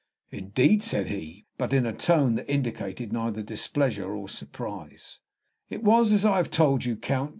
"Indeed!" said he, but in a tone that indicated neither displeasure nor surprise. "It was as I have told you, Count.